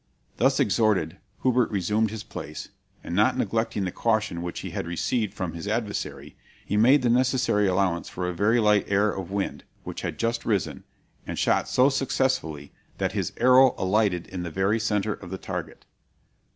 "Thus exhorted, Hubert resumed his place, and not neglecting the caution which he had received from his adversary, he made the necessary allowance for a very light air of wind, which had just risen, and shot so successfully that his arrow alighted in the very centre of the target.